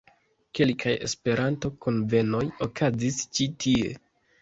Kelkaj Esperanto-kunvenoj okazis ĉi tie.